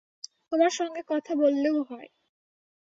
তোমার সঙ্গে কথা বললেও হয়।